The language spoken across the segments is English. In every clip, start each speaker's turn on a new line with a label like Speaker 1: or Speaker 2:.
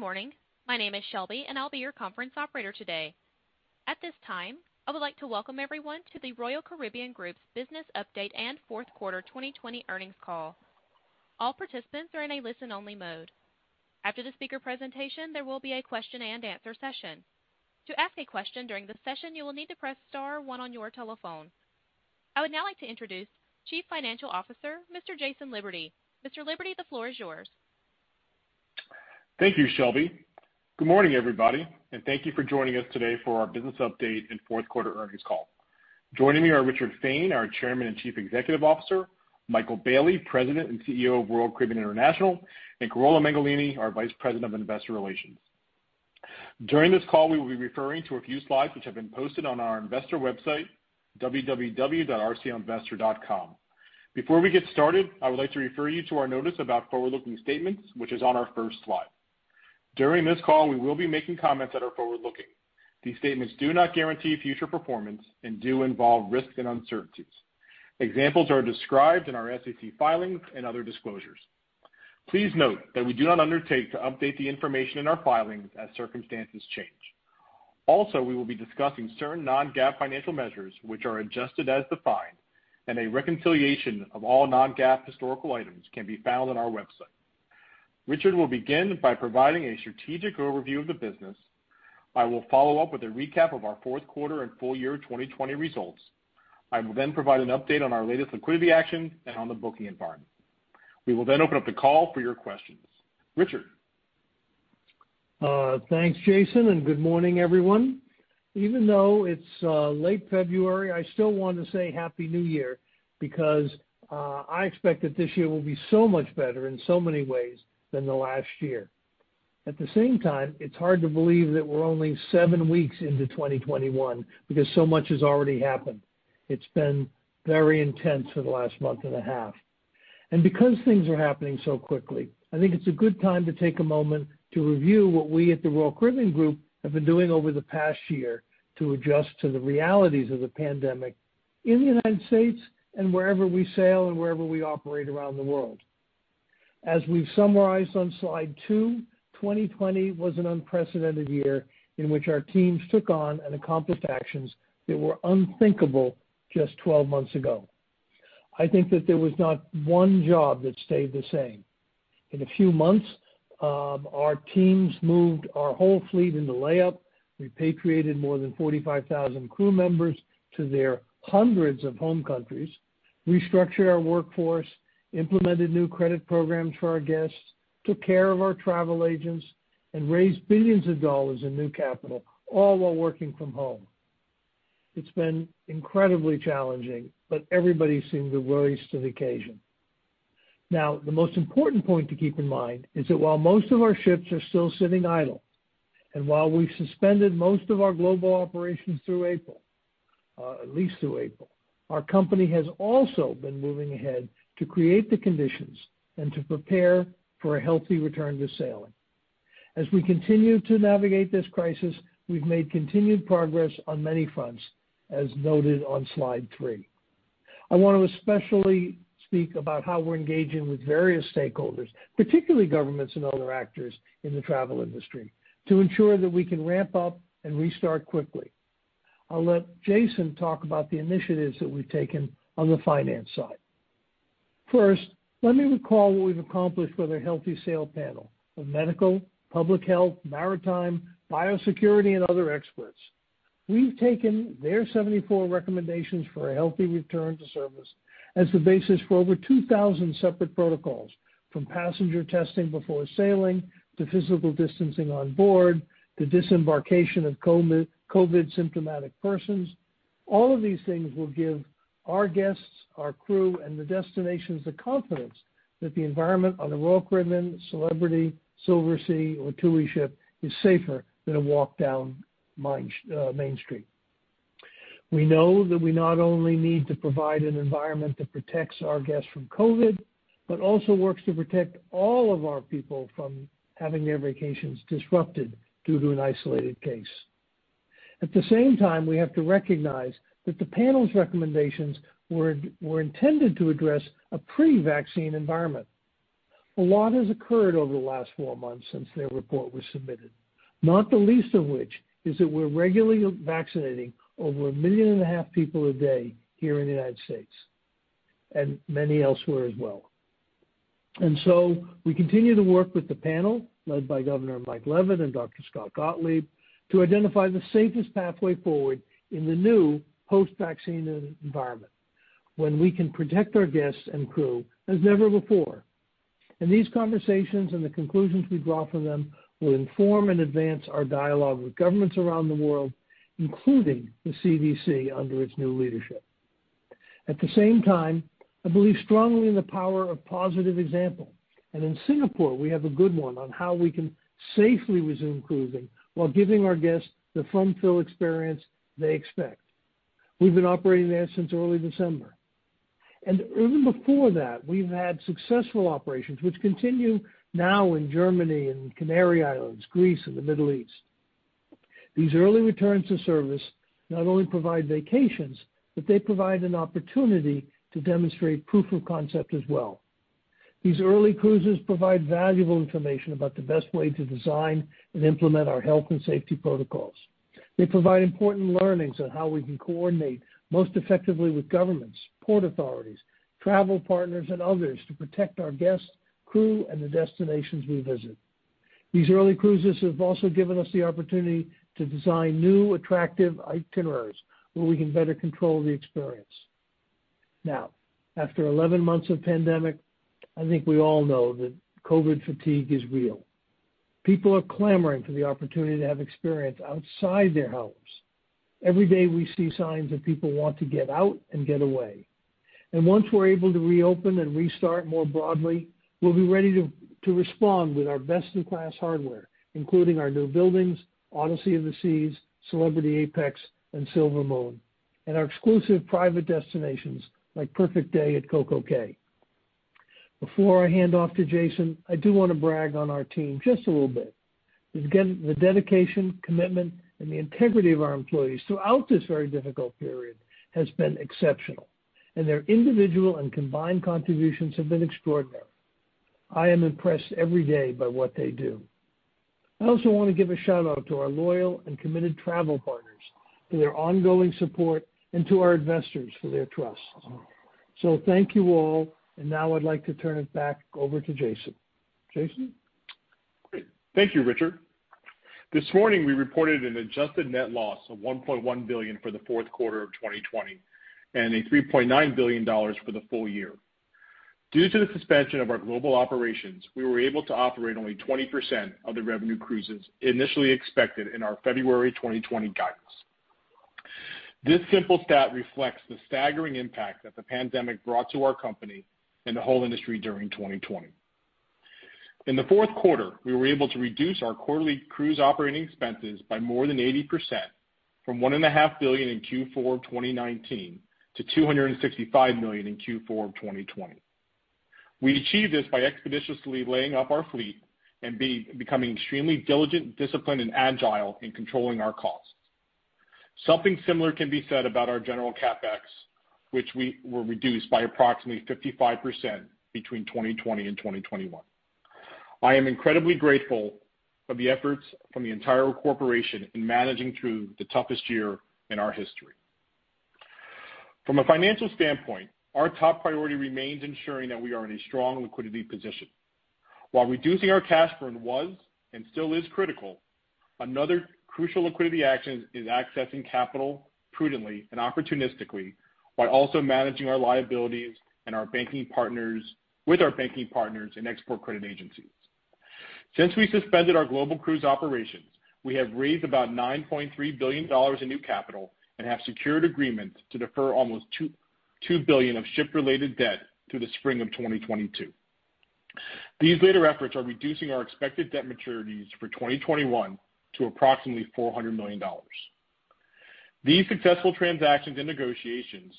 Speaker 1: Morning. My name is Shelby, and I'll be your conference operator today. At this time, I would like to welcome everyone to the Royal Caribbean Group's business update and Q4 2020 earnings call. All participants are in a listen-only mode. After the speaker presentation, there will be a question and answer session. To ask a question during the session, you will need to press star one on your telephone. I would now like to introduce Chief Financial Officer, Mr. Jason Liberty. Mr. Liberty, the floor is yours.
Speaker 2: Thank you, Shelby. Good morning, everybody, and thank you for joining us today for our business update and Q4 earnings call. Joining me are Richard Fain, our Chairman and Chief Executive Officer, Michael Bayley, President and CEO of Royal Caribbean International, and Carola Mengolini, our Vice President of Investor Relations. During this call, we will be referring to a few slides which have been posted on our investor website, www.rclinvestor.com. Before we get started, I would like to refer you to our notice about forward-looking statements, which is on our first slide. During this call, we will be making comments that are forward-looking. These statements do not guarantee future performance and do involve risks and uncertainties. Examples are described in our SEC filings and other disclosures. Please note that we do not undertake to update the information in our filings as circumstances change. We will be discussing certain non-GAAP financial measures which are adjusted as defined, and a reconciliation of all non-GAAP historical items can be found on our website. Richard will begin by providing a strategic overview of the business. I will follow up with a recap of our Q4 and full year 2020 results. I will then provide an update on our latest liquidity actions and on the booking environment. We will then open up the call for your questions. Richard?
Speaker 3: Thanks, Jason, and good morning, everyone. Even though it's late February, I still want to say Happy New Year because I expect that this year will be so much better in so many ways than the last year. At the same time, it's hard to believe that we're only seven weeks into 2021 because so much has already happened. It's been very intense for the last month and a half. Because things are happening so quickly, I think it's a good time to take a moment to review what we at the Royal Caribbean Group have been doing over the past year to adjust to the realities of the pandemic in the United States and wherever we sail and wherever we operate around the world. As we've summarized on slide two, 2020 was an unprecedented year in which our teams took on and accomplished actions that were unthinkable just 12 months ago. I think that there was not one job that stayed the same. In a few months, our teams moved our whole fleet into layup, repatriated more than 45,000 crew members to their hundreds of home countries, restructured our workforce, implemented new credit programs for our guests, took care of our travel agents, and raised billions of dollars in new capital, all while working from home. It's been incredibly challenging, but everybody seemed to rise to the occasion. The most important point to keep in mind is that while most of our ships are still sitting idle, and while we've suspended most of our global operations through April, at least through April, our company has also been moving ahead to create the conditions and to prepare for a healthy return to sailing. As we continue to navigate this crisis, we've made continued progress on many fronts, as noted on slide three. I want to especially speak about how we're engaging with various stakeholders, particularly governments and other actors in the travel industry, to ensure that we can ramp up and restart quickly. I'll let Jason talk about the initiatives that we've taken on the finance side. First, let me recall what we've accomplished with a Healthy Sail Panel of medical, public health, maritime, biosecurity, and other experts. We've taken their 74 recommendations for a healthy return to service as the basis for over 2,000 separate protocols, from passenger testing before sailing to physical distancing on board to disembarkation of COVID symptomatic persons. All of these things will give our guests, our crew, and the destinations the confidence that the environment on the Royal Caribbean, Celebrity, Silversea, or TUI ship is safer than a walk down Main Street. We know that we not only need to provide an environment that protects our guests from COVID, but also works to protect all of our people from having their vacations disrupted due to an isolated case. At the same time, we have to recognize that the panel's recommendations were intended to address a pre-vaccine environment. A lot has occurred over the last four months since their report was submitted, not the least of which is that we're regularly vaccinating over 1.5 million people a day here in the U.S., and many elsewhere as well. We continue to work with the panel, led by Governor Mike Leavitt and Dr. Scott Gottlieb, to identify the safest pathway forward in the new post-vaccine environment when we can protect our guests and crew as never before. These conversations and the conclusions we draw from them will inform and advance our dialogue with governments around the world, including the CDC under its new leadership. At the same time, I believe strongly in the power of positive example, and in Singapore, we have a good one on how we can safely resume cruising while giving our guests the fun-filled experience they expect. We've been operating there since early December. Even before that, we've had successful operations, which continue now in Germany and Canary Islands, Greece, and the Middle East. These early returns to service not only provide vacations, but they provide an opportunity to demonstrate proof of concept as well. These early cruises provide valuable information about the best way to design and implement our health and safety protocols. They provide important learnings on how we can coordinate most effectively with governments, port authorities, travel partners, and others to protect our guests, crew, and the destinations we visit. These early cruises have also given us the opportunity to design new attractive itineraries where we can better control the experience. Now, after 11 months of pandemic, I think we all know that COVID fatigue is real. People are clamoring for the opportunity to have experience outside their homes. Every day we see signs that people want to get out and get away. Once we're able to reopen and restart more broadly, we'll be ready to respond with our best-in-class hardware, including our new buildings, Odyssey of the Seas, Celebrity Apex, and Silver Moon, and our exclusive private destinations, like Perfect Day at CocoCay. Before I hand off to Jason, I do want to brag on our team just a little bit. Because again, the dedication, commitment, and the integrity of our employees throughout this very difficult period has been exceptional, and their individual and combined contributions have been extraordinary. I am impressed every day by what they do. I also want to give a shout-out to our loyal and committed travel partners for their ongoing support and to our investors for their trust. Thank you all, and now I'd like to turn it back over to Jason. Jason?
Speaker 2: Great. Thank you, Richard. This morning we reported an adjusted net loss of $1.1 billion for the Q4 of 2020, and a $3.9 billion for the full year. Due to the suspension of our global operations, we were able to operate only 20% of the revenue cruises initially expected in our February 2020 guidance. This simple stat reflects the staggering impact that the pandemic brought to our company and the whole industry during 2020. In the Q4, we were able to reduce our quarterly cruise operating expenses by more than 80%, from $1.5 billion in Q4 2019 to $265 million in Q4 of 2020. We achieved this by expeditiously laying up our fleet and becoming extremely diligent, disciplined, and agile in controlling our costs. Something similar can be said about our general CapEx, which were reduced by approximately 55% between 2020 and 2021. I am incredibly grateful of the efforts from the entire corporation in managing through the toughest year in our history. From a financial standpoint, our top priority remains ensuring that we are in a strong liquidity position. While reducing our cash burn was and still is critical, another crucial liquidity action is accessing capital prudently and opportunistically while also managing our liabilities with our banking partners and export credit agencies. Since we suspended our global cruise operations, we have raised about $9.3 billion in new capital and have secured agreements to defer almost 2 billion of ship-related debt through the spring of 2022. These later efforts are reducing our expected debt maturities for 2021 to approximately $400 million. These successful transactions and negotiations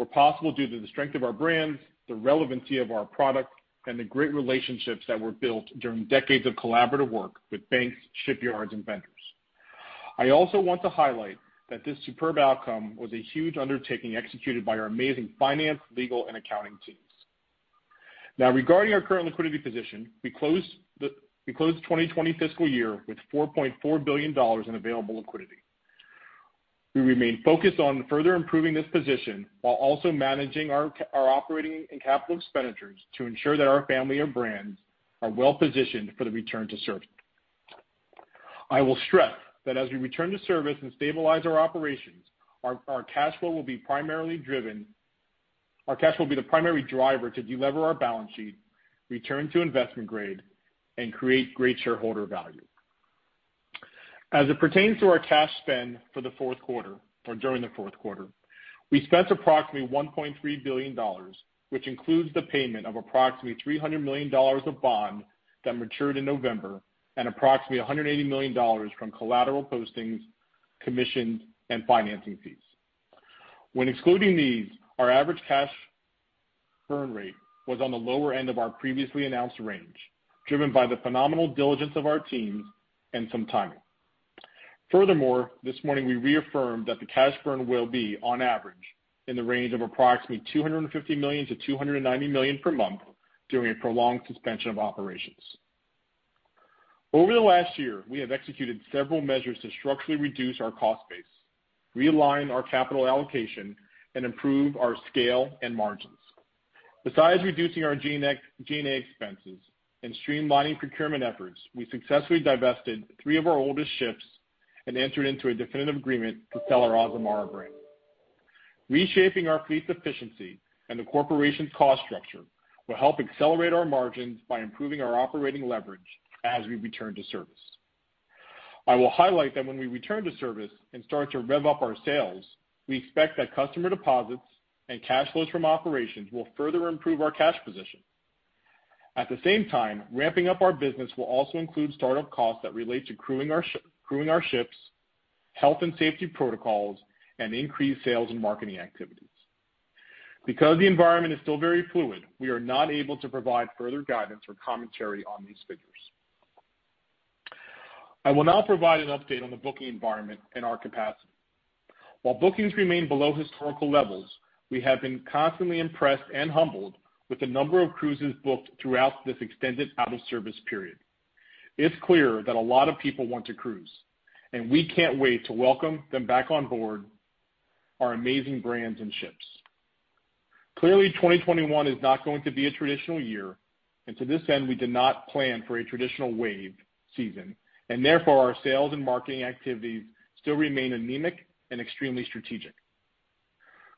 Speaker 2: were possible due to the strength of our brands, the relevancy of our product, and the great relationships that were built during decades of collaborative work with banks, shipyards, and vendors. I also want to highlight that this superb outcome was a huge undertaking executed by our amazing finance, legal, and accounting teams. Regarding our current liquidity position, we closed 2020 fiscal year with $4.4 billion in available liquidity. We remain focused on further improving this position while also managing our operating and capital expenditures to ensure that our family and brands are well-positioned for the return to service. I will stress that as we return to service and stabilize our operations, our cash flow will be the primary driver to delever our balance sheet, return to investment grade, and create great shareholder value. As it pertains to our cash spend for the Q4, or during the Q4, we spent approximately $1.3 billion, which includes the payment of approximately $300 million of bond that matured in November and approximately $180 million from collateral postings, commissions, and financing fees. When excluding these, our average cash burn rate was on the lower end of our previously announced range, driven by the phenomenal diligence of our teams and some timing. Furthermore, this morning we reaffirmed that the cash burn will be, on average, in the range of approximately $250 million-$290 million per month during a prolonged suspension of operations. Over the last year, we have executed several measures to structurally reduce our cost base, realign our capital allocation, and improve our scale and margins. Besides reducing our G&A expenses and streamlining procurement efforts, we successfully divested three of our oldest ships and entered into a definitive agreement to sell our Azamara brand. Reshaping our fleet's efficiency and the corporation's cost structure will help accelerate our margins by improving our operating leverage as we return to service. I will highlight that when we return to service and start to rev up our sales, we expect that customer deposits and cash flows from operations will further improve our cash position. At the same time, ramping up our business will also include start-up costs that relate to crewing our ships, health and safety protocols, and increased sales and marketing activities. Because the environment is still very fluid, we are not able to provide further guidance or commentary on these figures. I will now provide an update on the booking environment and our capacity. While bookings remain below historical levels, we have been constantly impressed and humbled with the number of cruises booked throughout this extended out-of-service period. It's clear that a lot of people want to cruise, and we can't wait to welcome them back on board our amazing brands and ships. Clearly, 2021 is not going to be a traditional year, and to this end, we did not plan for a traditional wave season, and therefore, our sales and marketing activities still remain anemic and extremely strategic.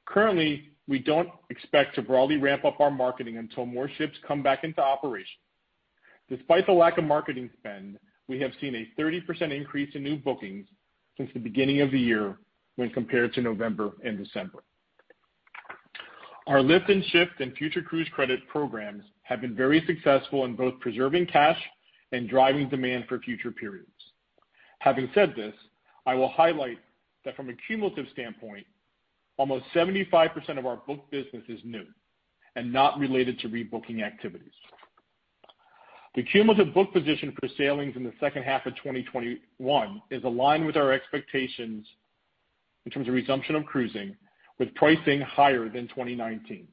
Speaker 2: Currently, we don't expect to broadly ramp up our marketing until more ships come back into operation. Despite the lack of marketing spend, we have seen a 30% increase in new bookings since the beginning of the year when compared to November and December. Our Lift & Shift and Future Cruise Credit programs have been very successful in both preserving cash and driving demand for future periods. Having said this, I will highlight that from a cumulative standpoint, almost 75% of our book business is new and not related to rebooking activities. The cumulative book position for sailings in the second half of 2021 is aligned with our expectations in terms of resumption of cruising, with pricing higher than 2019,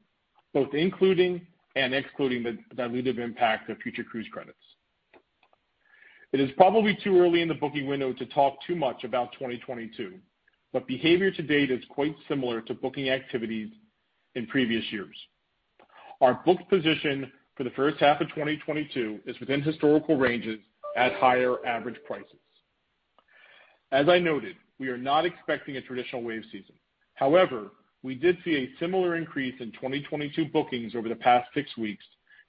Speaker 2: both including and excluding the dilutive impact of future cruise credits. It is probably too early in the booking window to talk too much about 2022, but behavior to date is quite similar to booking activities in previous years. Our book position for the first half of 2022 is within historical ranges at higher average prices. As I noted, we are not expecting a traditional wave season. However, we did see a similar increase in 2022 bookings over the past six weeks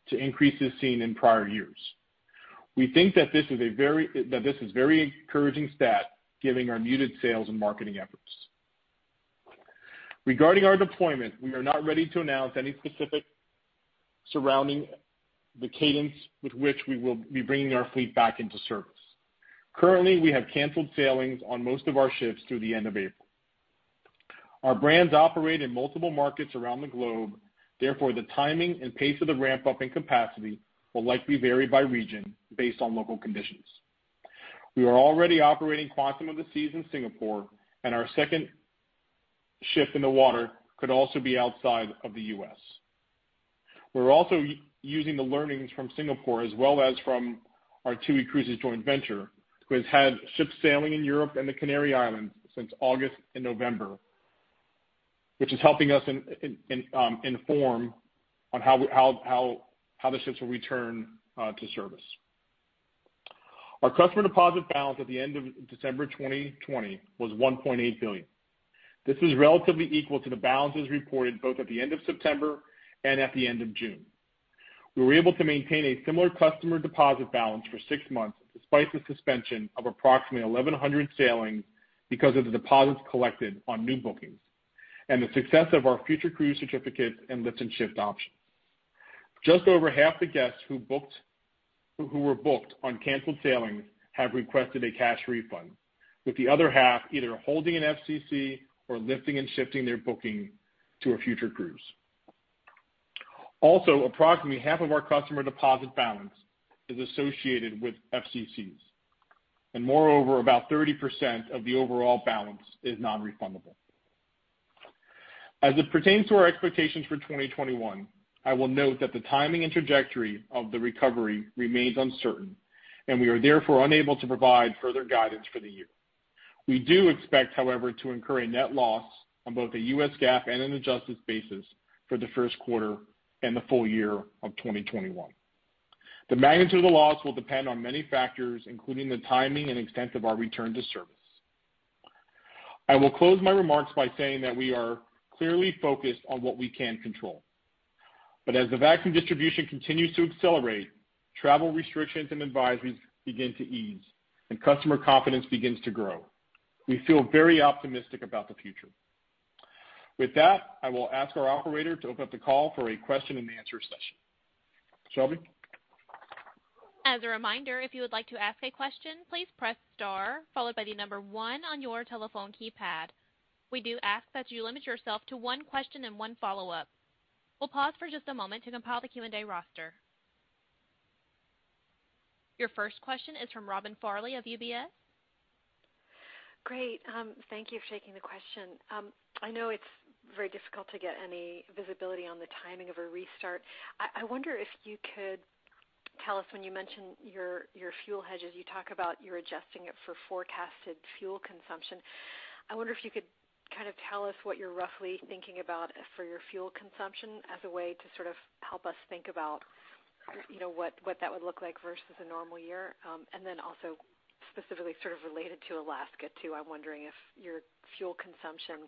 Speaker 2: to increases seen in prior years. We think that this is a very encouraging stat given our muted sales and marketing efforts. Regarding our deployment, we are not ready to announce any specifics surrounding the cadence with which we will be bringing our fleet back into service. Currently, we have canceled sailings on most of our ships through the end of April. Our brands operate in multiple markets around the globe, therefore, the timing and pace of the ramp-up in capacity will likely vary by region based on local conditions. We are already operating Quantum of the Seas in Singapore, and our second ship in the water could also be outside of the U.S. We're also using the learnings from Singapore as well as from our TUI Cruises joint venture, who has had ships sailing in Europe and the Canary Islands since August and November, which is helping us inform on how the ships will return to service. Our customer deposit balance at the end of December 2020 was $1.8 billion. This was relatively equal to the balances reported both at the end of September and at the end of June. We were able to maintain a similar customer deposit balance for six months despite the suspension of approximately 1,100 sailings because of the deposits collected on new bookings and the success of our future cruise certificates and Lift & Shift options. Just over half the guests who were booked on canceled sailings have requested a cash refund, with the other half either holding an FCC or lifting and shifting their booking to a future cruise. Also, approximately half of our customer deposit balance is associated with FCCs. Moreover, about 30% of the overall balance is non-refundable. As it pertains to our expectations for 2021, I will note that the timing and trajectory of the recovery remains uncertain, and we are therefore unable to provide further guidance for the year. We do expect, however, to incur a net loss on both a U.S. GAAP and an adjusted basis for the Q1 and the full year of 2021. The magnitude of the loss will depend on many factors, including the timing and extent of our return to service. I will close my remarks by saying that we are clearly focused on what we can control. as the vaccine distribution continues to accelerate, travel restrictions and advisories begin to ease, and customer confidence begins to grow. We feel very optimistic about the future. With that, I will ask our operator to open up the call for a question-and-answer session. Shelby?
Speaker 1: As a reminder, if you would like to ask a question, please press star followed by the number one on your telephone keypad. We do ask that you limit yourself to one question and one follow-up. We'll pause for just a moment to compile the Q&A roster. Your first question is from Robin Farley of UBS.
Speaker 4: Great. Thank you for taking the question. I know it's very difficult to get any visibility on the timing of a restart. I wonder if you could tell us when you mentioned your fuel hedges, you talk about you're adjusting it for forecasted fuel consumption. I wonder if you could kind of tell us what you're roughly thinking about for your fuel consumption as a way to sort of help us think about what that would look like versus a normal year. also specifically sort of related to Alaska, too. I'm wondering if your fuel consumption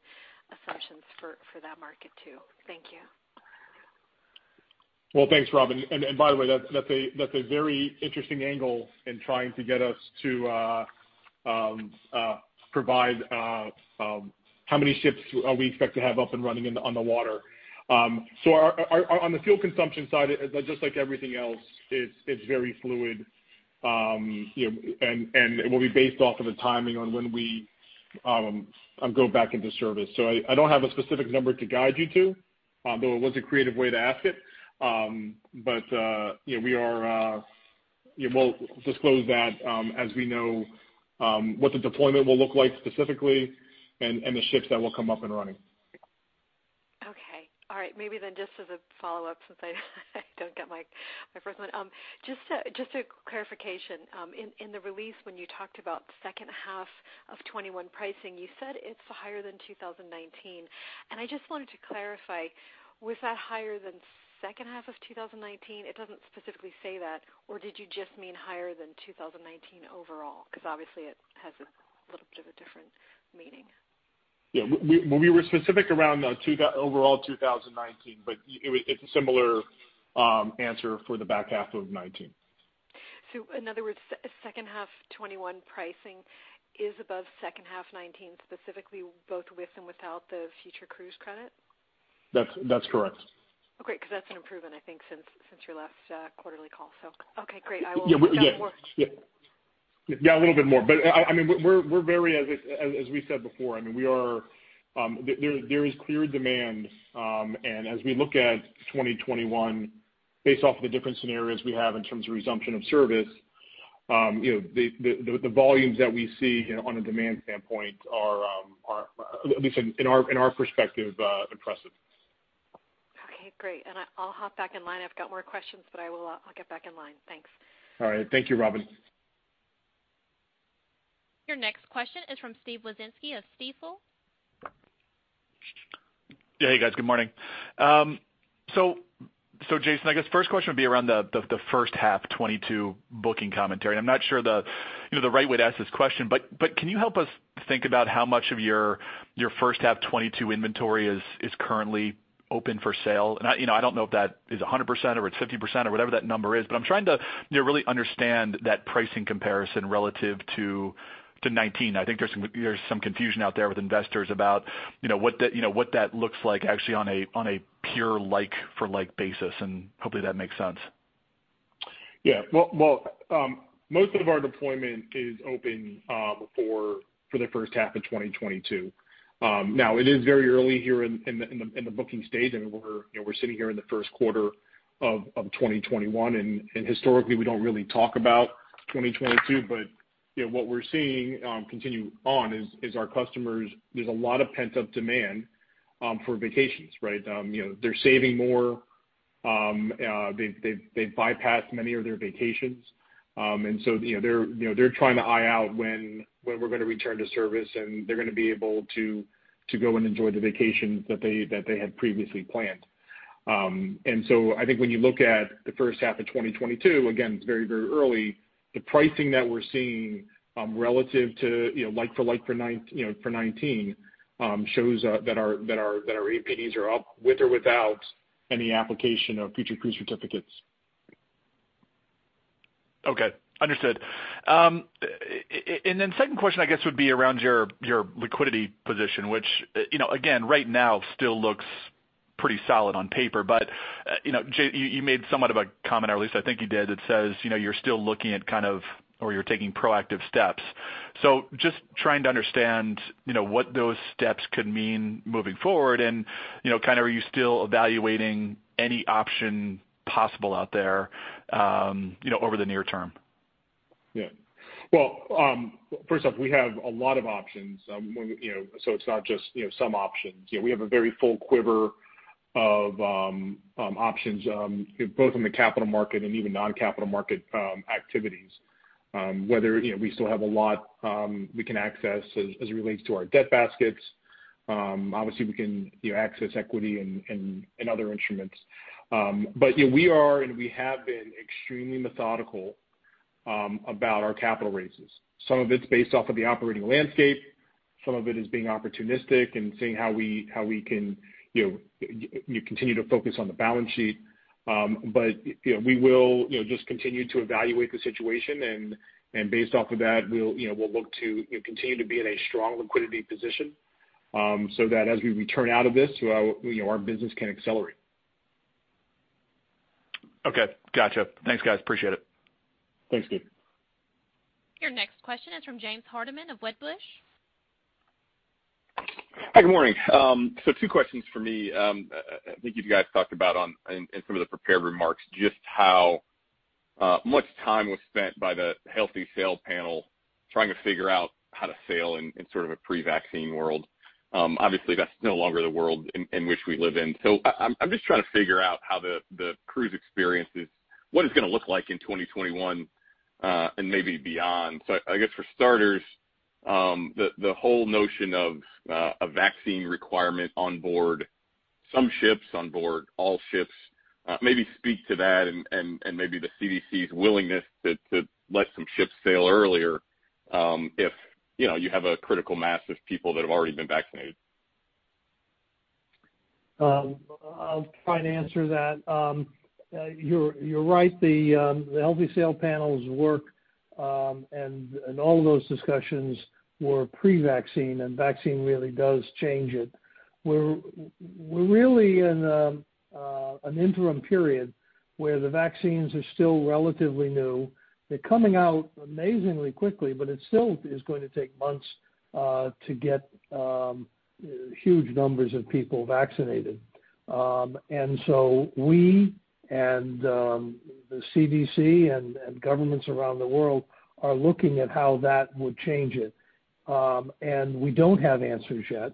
Speaker 4: assumptions for that market, too. Thank you.
Speaker 2: Well, thanks, Robin. By the way, that's a very interesting angle in trying to get us to provide how many ships we expect to have up and running on the water. On the fuel consumption side, just like everything else, it's very fluid. It will be based off of the timing on when we go back into service. I don't have a specific number to guide you to, though it was a creative way to ask it. We'll disclose that as we know what the deployment will look like specifically and the ships that will come up and running.
Speaker 4: Okay. All right. Maybe just as a follow-up, since I don't get my first one. Just a clarification. In the release, when you talked about second half of 2021 pricing, you said it's higher than 2019, and I just wanted to clarify, was that higher than second half of 2019? It doesn't specifically say that, or did you just mean higher than 2019 overall? Because obviously it has a little bit of a different meaning.
Speaker 2: Yeah. We were specific around overall 2019, but it's a similar answer for the back half of 2019.
Speaker 4: In other words, second half 2021 pricing is above second half 2019, specifically both with and without the future cruise credit?
Speaker 2: That's correct.
Speaker 4: Oh, great, because that's an improvement, I think, since your last quarterly call. Okay, great. I will,
Speaker 2: Yeah.
Speaker 4: Look out for it.
Speaker 2: Yeah. A little bit more, but we're very, as we said before, there is clear demand. As we look at 2021, based off of the different scenarios we have in terms of resumption of service, the volumes that we see on a demand standpoint are, at least in our perspective, impressive.
Speaker 4: Okay, great. I'll hop back in line. I've got more questions, but I'll get back in line. Thanks.
Speaker 2: All right. Thank you, Robin.
Speaker 1: Your next question is from Steve Wieczynski of Stifel.
Speaker 5: Hey, guys. Good morning. Jason, I guess first question would be around the first half 2022 booking commentary, and I'm not sure the right way to ask this question, but can you help us think about how much of your first half 2022 inventory is currently open for sale? I don't know if that is 100% or it's 50% or whatever that number is, but I'm trying to really understand that pricing comparison relative to 2019. I think there's some confusion out there with investors about what that looks like actually on a pure like-for-like basis, and hopefully that makes sense.
Speaker 2: Yeah. Well, most of our deployment is open for the first half of 2022. Now it is very early here in the booking stage. We're sitting here in the Q1 of 2021, and historically, we don't really talk about 2022. What we're seeing continue on is our customers, there's a lot of pent-up demand for vacations, right? They're saving more. They've bypassed many of their vacations. They're trying to eye out when we're going to return to service, and they're going to be able to go and enjoy the vacations that they had previously planned. I think when you look at the first half of 2022, again, it's very early. The pricing that we're seeing relative to like for 2019 shows that our APDs are up with or without any application of future cruise certificates.
Speaker 5: Okay, understood. Second question, I guess, would be around your liquidity position, which again, right now still looks pretty solid on paper. You made somewhat of a comment, or at least I think you did, that says you're still looking at kind of, or you're taking proactive steps. Just trying to understand what those steps could mean moving forward and are you still evaluating any option possible out there over the near term?
Speaker 2: Yeah. Well, first off, we have a lot of options. It's not just some options. We have a very full quiver of options both in the capital market and even non-capital market activities. Whether we still have a lot we can access as it relates to our debt baskets. Obviously, we can access equity and other instruments. We are and we have been extremely methodical about our capital raises. Some of it's based off of the operating landscape, some of it is being opportunistic and seeing how we can continue to focus on the balance sheet. We will just continue to evaluate the situation, and based off of that, we'll look to continue to be in a strong liquidity position so that as we return out of this, our business can accelerate.
Speaker 5: Okay, got you. Thanks, guys, appreciate it.
Speaker 2: Thanks, Steven.
Speaker 1: Your next question is from James Hardiman of Wedbush.
Speaker 6: Hi, good morning. Two questions for me. I think you guys talked about in some of the prepared remarks just how much time was spent by the Healthy Sail Panel trying to figure out how to sail in sort of a pre-vaccine world. Obviously, that's no longer the world in which we live in. I'm just trying to figure out how the cruise experience is, what it's going to look like in 2021 and maybe beyond. I guess for starters, the whole notion of a vaccine requirement on board some ships, on board all ships. Maybe speak to that and maybe the CDC's willingness to let some ships sail earlier if you have a critical mass of people that have already been vaccinated.
Speaker 3: I'll try and answer that. You're right, the Healthy Sail Panel's work All of those discussions were pre-vaccine, and vaccine really does change it. We're really in an interim period where the vaccines are still relatively new. They're coming out amazingly quickly, but it still is going to take months to get huge numbers of people vaccinated. We and the CDC and governments around the world are looking at how that would change it. We don't have answers yet.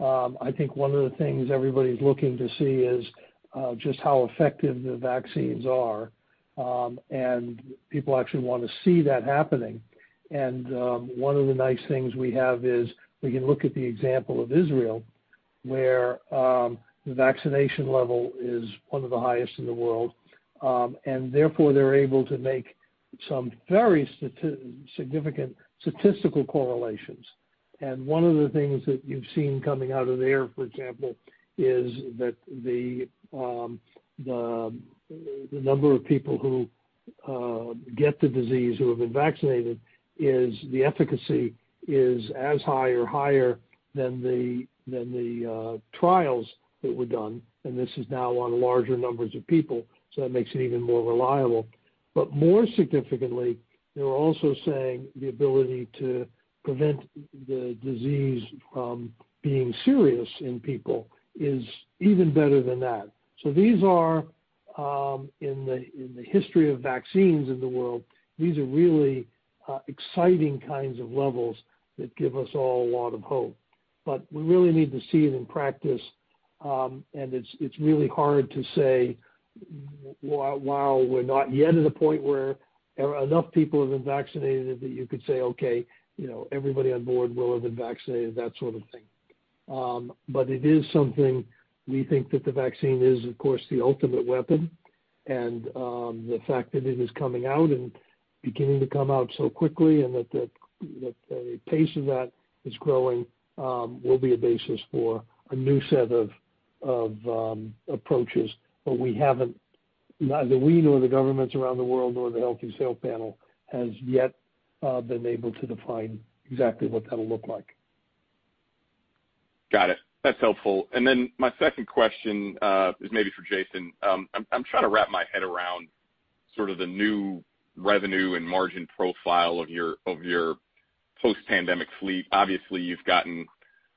Speaker 3: I think one of the things everybody's looking to see is just how effective the vaccines are. People actually want to see that happening. One of the nice things we have is we can look at the example of Israel, where the vaccination level is one of the highest in the world. Therefore, they're able to make some very significant statistical correlations. One of the things that you've seen coming out of there, for example, is that the number of people who get the disease who have been vaccinated, the efficacy is as high or higher than the trials that were done, and this is now on larger numbers of people, so that makes it even more reliable. more significantly, they're also saying the ability to prevent the disease from being serious in people is even better than that. These are, in the history of vaccines in the world, these are really exciting kinds of levels that give us all a lot of hope. we really need to see it in practice. it's really hard to say while we're not yet at a point where enough people have been vaccinated that you could say, "Okay, everybody on board will have been vaccinated," that sort of thing. It is something we think that the vaccine is, of course, the ultimate weapon. the fact that it is coming out and beginning to come out so quickly, and that the pace of that is growing will be a basis for a new set of approaches. neither we nor the governments around the world, nor the Healthy Sail Panel has yet been able to define exactly what that'll look like.
Speaker 6: Got it. That's helpful. my second question is maybe for Jason. I'm trying to wrap my head around sort of the new revenue and margin profile of your post-pandemic fleet. Obviously, you've gotten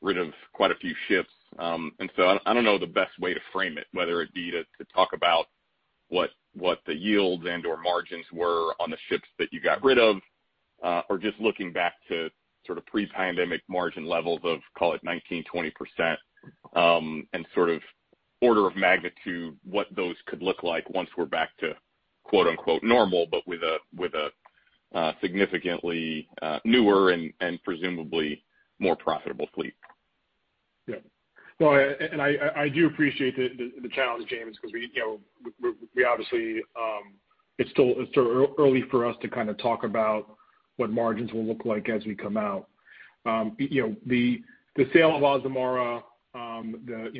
Speaker 6: rid of quite a few ships. I don't know the best way to frame it, whether it be to talk about what the yields and/or margins were on the ships that you got rid of, or just looking back to sort of pre-pandemic margin levels of, call it 19 or 20%, and sort of order of magnitude, what those could look like once we're back to, quote unquote, normal, but with a significantly newer and presumably more profitable fleet.
Speaker 2: Yeah. Well, I do appreciate the challenge, James, because obviously it's still early for us to kind of talk about what margins will look like as we come out. The sale of Azamara,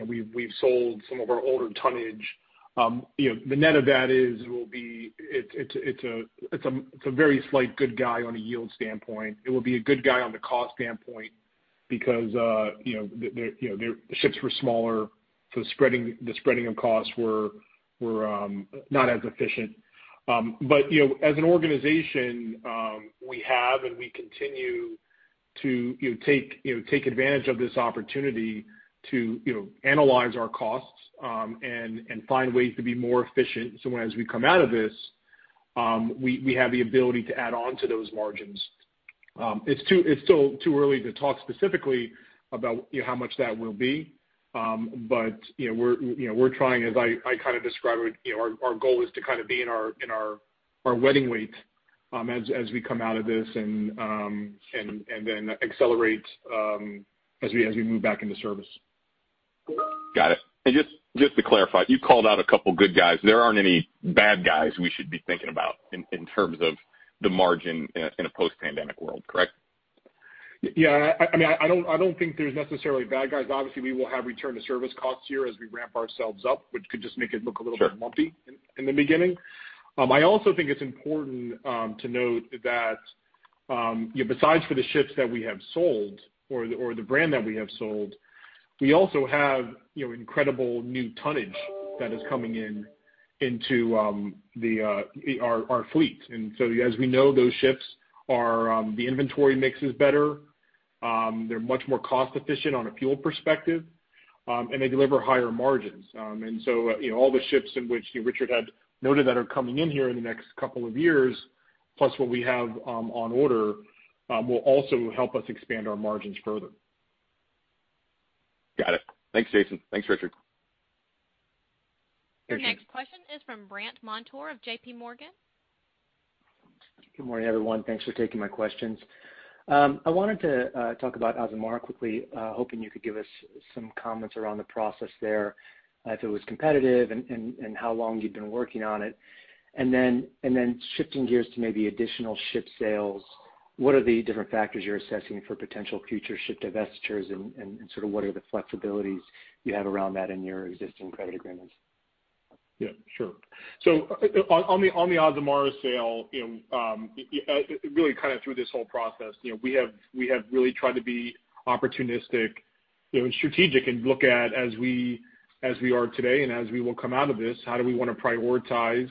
Speaker 2: we've sold some of our older tonnage. The net of that is it's a very slight good guy on a yield standpoint. It will be a good guy on the cost standpoint because the ships were smaller, so the spreading of costs were not as efficient. As an organization, we have and we continue to take advantage of this opportunity to analyze our costs and find ways to be more efficient, so when as we come out of this, we have the ability to add on to those margins. It's still too early to talk specifically about how much that will be. We're trying, as I kind of describe it, our goal is to kind of be in our wedding weight as we come out of this and then accelerate as we move back into service.
Speaker 6: Got it. Just to clarify, you called out a couple of good guys. There aren't any bad guys we should be thinking about in terms of the margin in a post-pandemic world, correct?
Speaker 2: Yeah. I don't think there's necessarily bad guys. Obviously, we will have return-to-service costs here as we ramp ourselves up, which could just make it look a little bit.
Speaker 6: Sure.
Speaker 2: Lumpy in the beginning. I also think it's important to note that besides for the ships that we have sold or the brand that we have sold, we also have incredible new tonnage that is coming into our fleet. as we know, those ships, the inventory mix is better. They're much more cost-efficient on a fuel perspective. they deliver higher margins. all the ships in which Richard had noted that are coming in here in the next couple of years, plus what we have on order, will also help us expand our margins further.
Speaker 6: Got it. Thanks, Jason. Thanks, Richard.
Speaker 3: Thank you.
Speaker 1: Our next question is from Brandt Montour of JPMorgan.
Speaker 7: Good morning, everyone. Thanks for taking my questions. I wanted to talk about Azamara quickly, hoping you could give us some comments around the process there, if it was competitive and how long you've been working on it. Shifting gears to maybe additional ship sales, what are the different factors you're assessing for potential future ship divestitures and sort of what are the flexibilities you have around that in your existing credit agreements?
Speaker 2: Yeah, sure. On the Azamara sale, really kind of through this whole process, we have really tried to be opportunistic and strategic and look at, as we are today and as we will come out of this, how do we want to prioritize,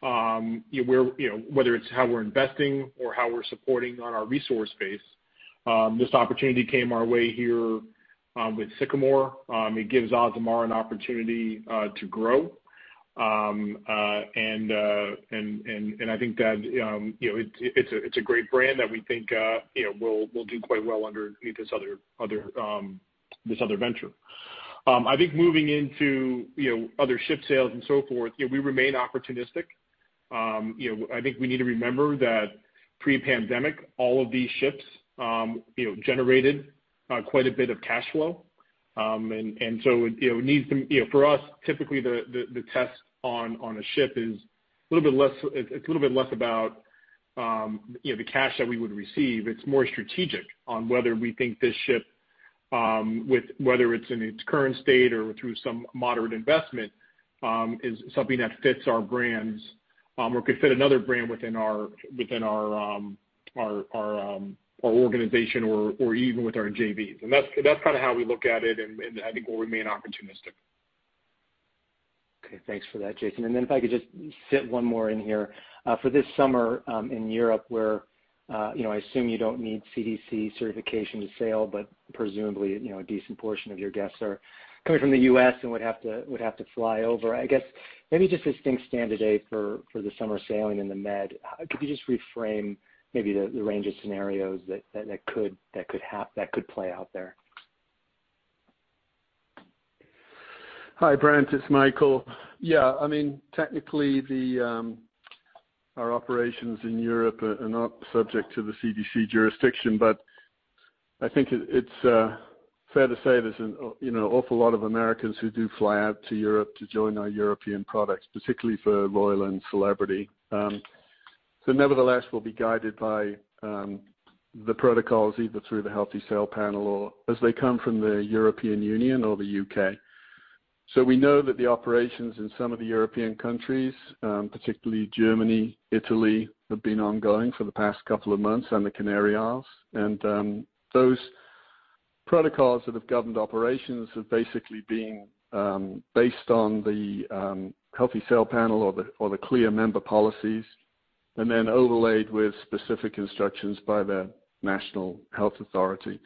Speaker 2: whether it's how we're investing or how we're supporting on our resource base. This opportunity came our way here with Sycamore. It gives Azamara an opportunity to grow. I think that it's a great brand that we think will do quite well underneath this other venture. I think moving into other ship sales and so forth, we remain opportunistic. I think we need to remember that pre-pandemic, all of these ships generated quite a bit of cash flow. For us, typically, the test on a ship it's a little bit less about the cash that we would receive. It's more strategic on whether we think this ship, whether it's in its current state or through some moderate investment, is something that fits our brands, or could fit another brand within our organization or even with our JVs. that's kind of how we look at it, and I think we'll remain opportunistic.
Speaker 7: Okay. Thanks for that, Jason. If I could just fit one more in here. For this summer in Europe where I assume you don't need CDC certification to sail, but presumably, a decent portion of your guests are coming from the U.S. and would have to fly over. I guess maybe just distinct standard day for the summer sailing in the Med. Could you just reframe maybe the range of scenarios that could play out there?
Speaker 8: Hi, Brandt. It's Michael. Yeah. Technically, our operations in Europe are not subject to the CDC jurisdiction, but I think it's fair to say there's an awful lot of Americans who do fly out to Europe to join our European products, particularly for Royal and Celebrity. nevertheless, we'll be guided by the protocols, either through the Healthy Sail Panel or as they come from the European Union or the U.K. we know that the operations in some of the European countries, particularly Germany, Italy, have been ongoing for the past couple of months, and the Canary Isles. those protocols that have governed operations have basically been based on the Healthy Sail Panel or the CLIA member policies, and then overlaid with specific instructions by the National Health Authority.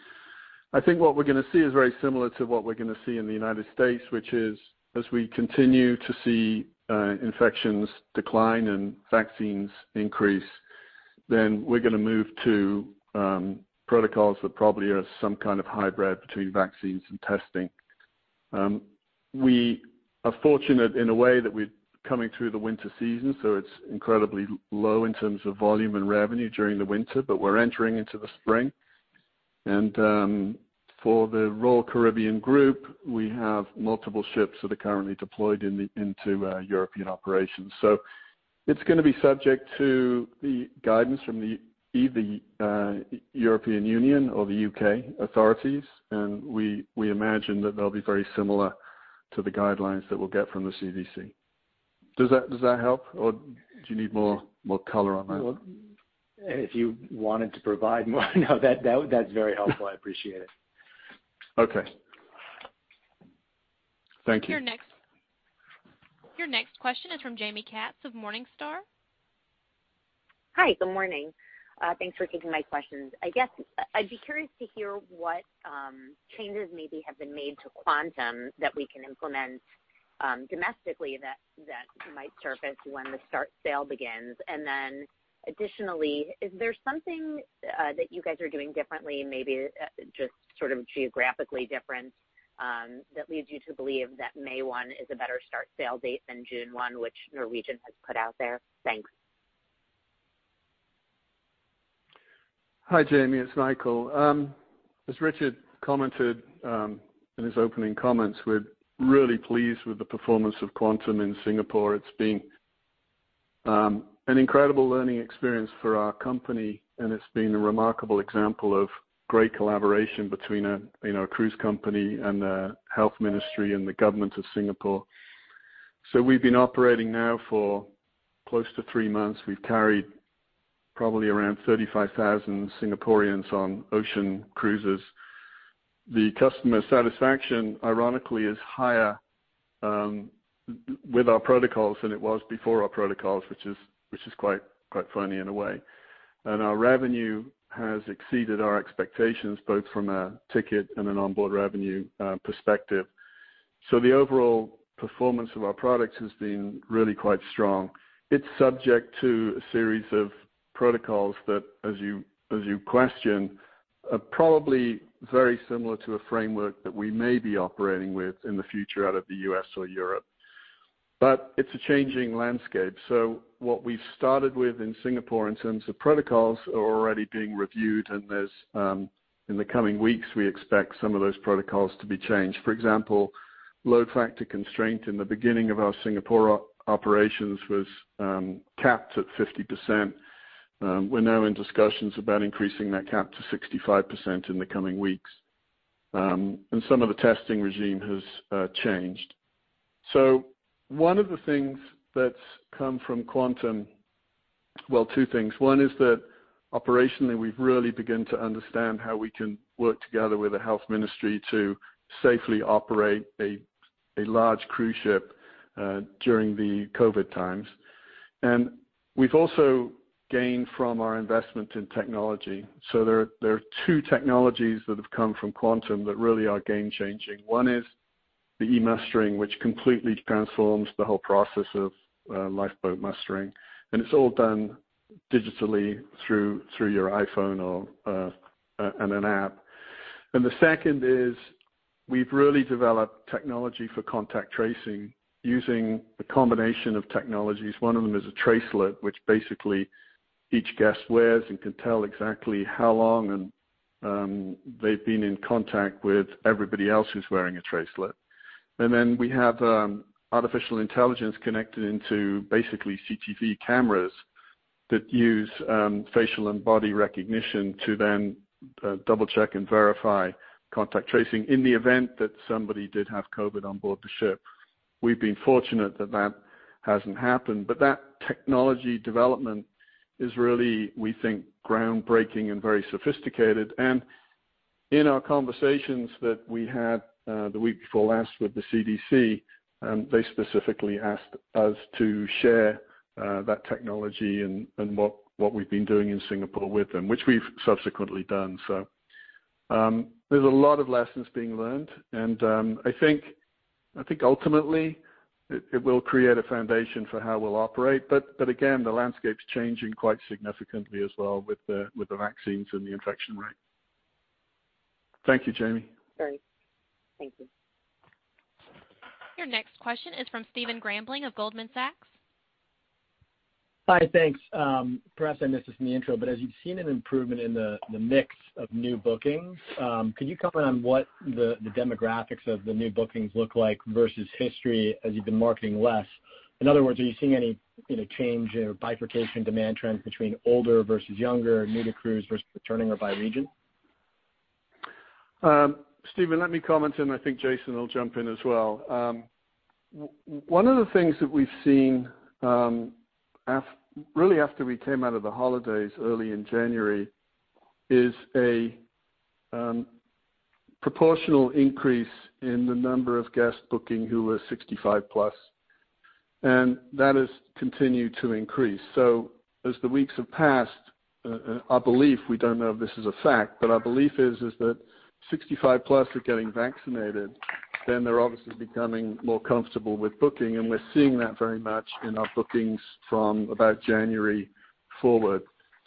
Speaker 8: I think what we're going to see is very similar to what we're going to see in the United States, which is, as we continue to see infections decline and vaccines increase, then we're going to move to protocols that probably are some kind of hybrid between vaccines and testing. We are fortunate in a way that we're coming through the winter season, so it's incredibly low in terms of volume and revenue during the winter, but we're entering into the spring. For the Royal Caribbean Group, we have multiple ships that are currently deployed into European operations. It's going to be subject to the guidance from either the European Union or the U.K. authorities, and we imagine that they'll be very similar to the guidelines that we'll get from the CDC. Does that help, or do you need more color on that?
Speaker 7: If you wanted to provide more that's very helpful. I appreciate it.
Speaker 8: Okay. Thank you.
Speaker 1: Your next question is from Jaime Katz of Morningstar.
Speaker 9: Hi, good morning. Thanks for taking my questions. I guess I'd be curious to hear what changes maybe have been made to Quantum that we can implement domestically that might surface when the start sale begins. Additionally, is there something that you guys are doing differently, maybe just sort of geographically different, that leads you to believe that May 1st is a better start sale date than June 1st, which Norwegian has put out there? Thanks.
Speaker 8: Hi, Jaime. It's Michael. As Richard commented in his opening comments, we're really pleased with the performance of Quantum in Singapore. It's been an incredible learning experience for our company, and it's been a remarkable example of great collaboration between a cruise company and the health ministry and the government of Singapore. We've been operating now for close to three months. We've carried probably around 35,000 Singaporeans on ocean cruises. The customer satisfaction, ironically, is higher with our protocols than it was before our protocols, which is quite funny in a way. Our revenue has exceeded our expectations, both from a ticket and an onboard revenue perspective. The overall performance of our products has been really quite strong. It's subject to a series of protocols that, as you question, are probably very similar to a framework that we may be operating with in the future out of the U.S. or Europe. It's a changing landscape. What we've started with in Singapore in terms of protocols are already being reviewed, and in the coming weeks, we expect some of those protocols to be changed. For example, load factor constraint in the beginning of our Singapore operations was capped at 50%. We're now in discussions about increasing that cap to 65% in the coming weeks. Some of the testing regime has changed. One of the things that's come from Quantum, well, two things. One is that operationally, we've really begun to understand how we can work together with the health ministry to safely operate a large cruise ship during the COVID times. We've also gained from our investment in technology. there are two technologies that have come from Quantum that really are game-changing. One is the eMuster which completely transforms the whole process of lifeboat mustering, and it's all done digitally through your iPhone and an app. the second is we've really developed technology for contact tracing using a combination of technologies. One of them is a Tracelet, which basically each guest wears and can tell exactly how long they've been in contact with everybody else who's wearing a Tracelet. we have artificial intelligence connected into basically CCTV cameras that use facial and body recognition to then double-check and verify contact tracing in the event that somebody did have COVID on board the ship. We've been fortunate that that hasn't happened, but that technology development is really, we think, groundbreaking and very sophisticated. In our conversations that we had the week before last with the CDC, they specifically asked us to share that technology and what we've been doing in Singapore with them, which we've subsequently done. There's a lot of lessons being learned, and I think ultimately, it will create a foundation for how we'll operate. Again, the landscape's changing quite significantly as well with the vaccines and the infection rate. Thank you, Jamie.
Speaker 2: Great. Thank you.
Speaker 1: Your next question is from Stephen Grambling of Goldman Sachs.
Speaker 10: Hi, thanks. Perhaps I missed this in the intro, but as you've seen an improvement in the mix of new bookings, can you comment on what the demographics of the new bookings look like versus history as you've been marketing less? In other words, are you seeing any change or bifurcation demand trends between older versus younger, newer crews versus returning or by region?
Speaker 8: Stephen, let me comment, and I think Jason will jump in as well. One of the things that we've seen, really after we came out of the holidays early in January, is a proportional increase in the number of guests booking who are 65+, and that has continued to increase. as the weeks have passed, Our belief, we don't know if this is a fact, but our belief is that 65+ are getting vaccinated, then they're obviously becoming more comfortable with booking, and we're seeing that very much in our bookings from about January forward.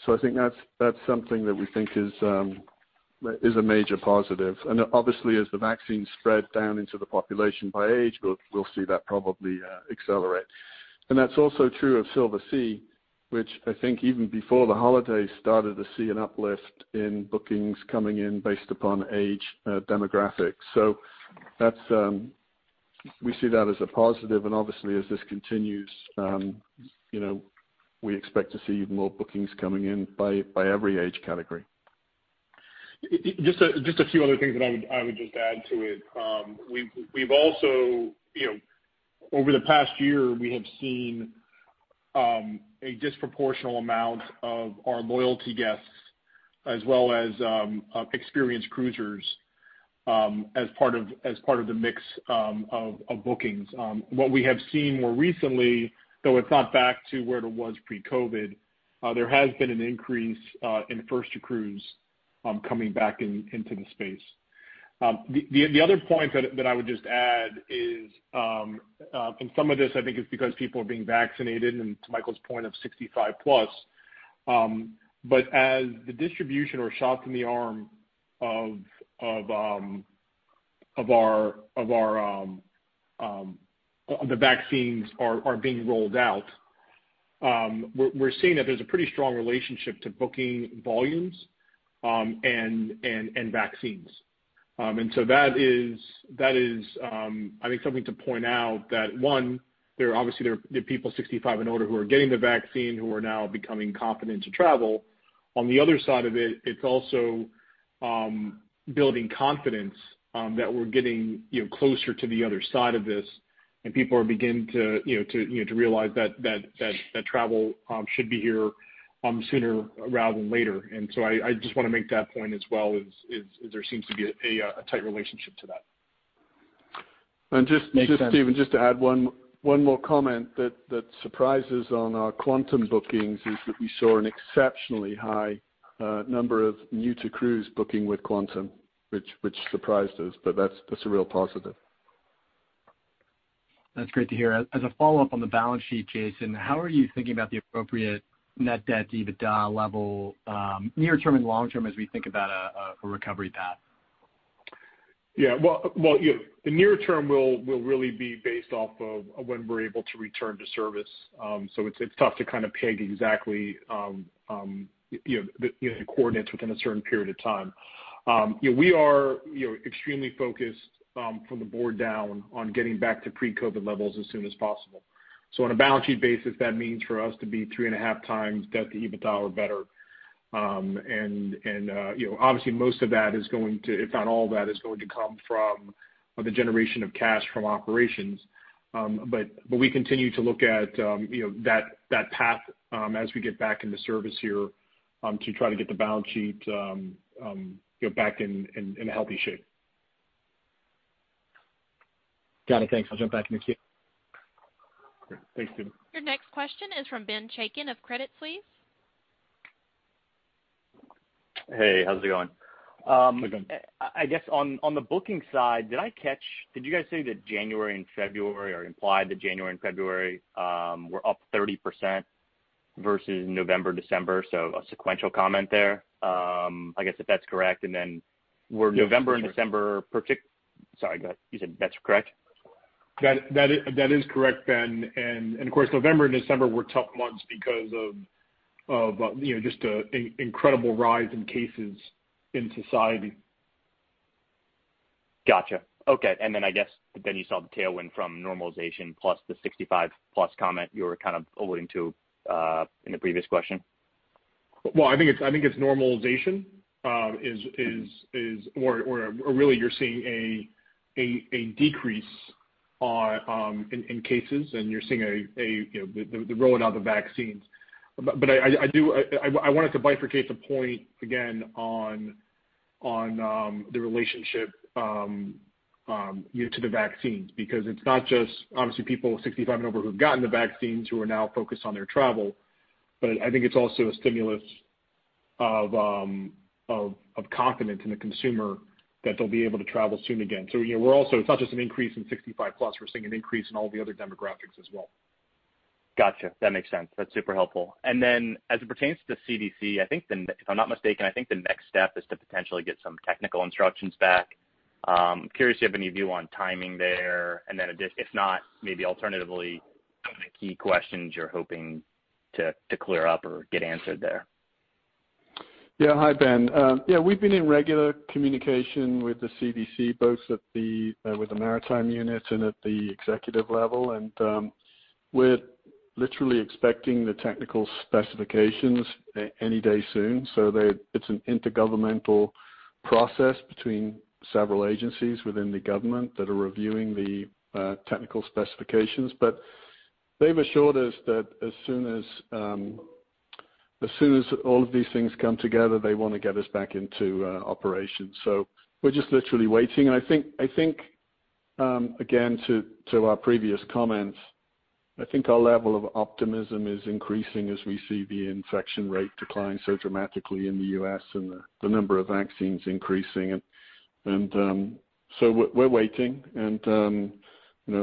Speaker 8: I think that's something that we think is a major positive. obviously, as the vaccines spread down into the population by age, we'll see that probably accelerate. That's also true of Silversea, which I think even before the holidays, started to see an uplift in bookings coming in based upon age demographics. we see that as a positive, and obviously as this continues, we expect to see more bookings coming in by every age category.
Speaker 2: Just a few other things that I would just add to it. Over the past year, we have seen a disproportional amount of our loyalty guests as well as experienced cruisers, as part of the mix of bookings. What we have seen more recently, though it's not back to where it was pre-COVID, there has been an increase in first-to-cruise coming back into the space. The other point that I would just add is, and some of this I think is because people are being vaccinated, and to Michael's point of 65+. As the distribution or shots in the arm of the vaccines are being rolled out, we're seeing that there's a pretty strong relationship to booking volumes and vaccines. That is, I think something to point out, that one, obviously there are people 65 and older who are getting the vaccine who are now becoming confident to travel. On the other side of it's also building confidence that we're getting closer to the other side of this, and people are beginning to realize that travel should be here sooner rather than later. I just want to make that point as well, as there seems to be a tight relationship to that.
Speaker 8: Just,
Speaker 10: Makes sense.
Speaker 8: Stephen, just to add one more comment that surprises on our Quantum bookings is that we saw an exceptionally high number of new-to-cruise booking with Quantum, which surprised us, but that's a real positive.
Speaker 10: That's great to hear. As a follow-up on the balance sheet, Jason, how are you thinking about the appropriate net debt to EBITDA level near-term and long-term as we think about a recovery path?
Speaker 2: Yeah. Well, the near term will really be based off of when we're able to return to service. It's tough to kind of peg exactly the coordinates within a certain period of time. We are extremely focused from the board down on getting back to pre-COVID levels as soon as possible. On a balance sheet basis, that means for us to be 3.5x debt to EBITDA or better. Obviously, most of that, if not all of that, is going to come from the generation of cash from operations. We continue to look at that path as we get back into service here to try to get the balance sheet back in healthy shape.
Speaker 10: Got it. Thanks. I'll jump back in the queue.
Speaker 2: Great. Thanks, Stephen.
Speaker 1: Your next question is from Ben Chaiken of Credit Suisse.
Speaker 11: Hey, how's it going?
Speaker 2: Hi, Ben.
Speaker 11: I guess on the booking side, did you guys say that January and February, or implied that January and February, were up 30% versus November, December? A sequential comment there. I guess if that's correct, were November and December?
Speaker 2: Yes.
Speaker 11: Sorry, go ahead. You said that's correct?
Speaker 8: That is correct, Ben. Of course, November and December were tough months because of just the incredible rise in cases in society.
Speaker 11: Got you. Okay. Then I guess then you saw the tailwind from normalization plus the 65+ comment you were kind of alluding to in the previous question?
Speaker 2: Well, I think it's normalization, or really you're seeing a decrease in cases, and you're seeing the rollout of the vaccines. I wanted to bifurcate the point again on the relationship to the vaccines, because it's not just obviously people 65 and over who've gotten the vaccines who are now focused on their travel, but I think it's also a stimulus of confidence in the consumer that they'll be able to travel soon again. It's not just an increase in 65+, we're seeing an increase in all the other demographics as well.
Speaker 11: Got you. That makes sense. That's super helpful. As it pertains to the CDC, if I'm not mistaken, I think the next step is to potentially get some technical instructions back. I'm curious if you have any view on timing there, and then if not, maybe alternatively, some of the key questions you're hoping to clear up or get answered there.
Speaker 8: Yeah. Hi, Ben. Yeah, we've been in regular communication with the CDC, both with the maritime units and at the executive level. We're literally expecting the technical specifications any day soon. It's an intergovernmental process between several agencies within the government that are reviewing the technical specifications. They've assured us that as soon as all of these things come together, they want to get us back into operation. We're just literally waiting, and I think, again, to our previous comments, I think our level of optimism is increasing as we see the infection rate decline so dramatically in the U.S. and the number of vaccines increasing. We're waiting, and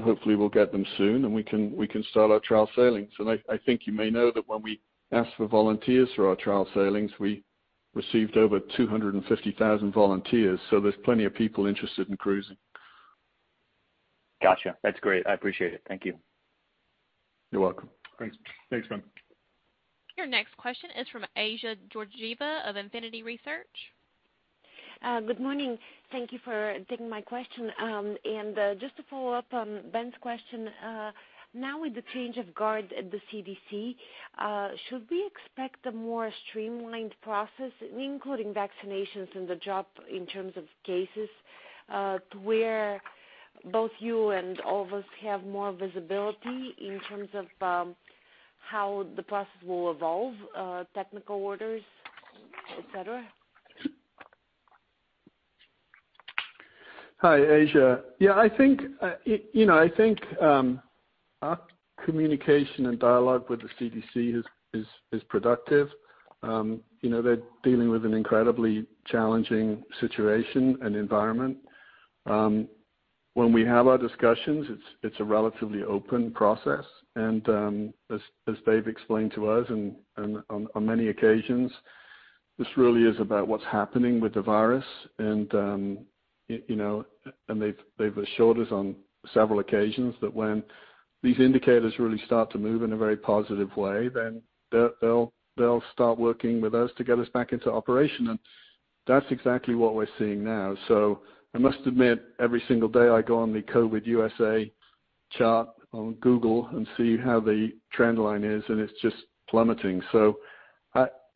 Speaker 8: hopefully, we'll get them soon, and we can start our trial sailings. I think you may know that when we asked for volunteers for our trial sailings, we received over 250,000 volunteers. There's plenty of people interested in cruising.
Speaker 11: Got you. That's great, I appreciate it. Thank you.
Speaker 8: You're welcome.
Speaker 2: Thanks. Thanks, Ben.
Speaker 1: Your next question is from Assia Georgieva of Infinity Research.
Speaker 12: Good morning. Thank you for taking my question. Just to follow up on Ben's question. Now with the change of guard at the CDC, should we expect a more streamlined process, including vaccinations on the job, in terms of cases, to where both you and all of us have more visibility in terms of how the process will evolve, technical orders, et cetera?
Speaker 8: Hi, Assia. Yeah, I think our communication and dialogue with the CDC is productive. They're dealing with an incredibly challenging situation and environment. When we have our discussions, it's a relatively open process. As David explained to us on many occasions, this really is about what's happening with the virus. They've assured us on several occasions that when these indicators really start to move in a very positive way, then they'll start working with us to get us back into operation. That's exactly what we're seeing now.